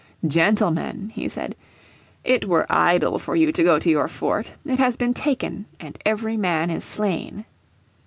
"Gentlemen," he said, "it were idle for you to go to your fort. It has been taken, and every man is slain."